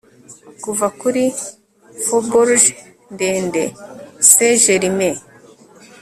kuva kuri faubourg ndende saint-germain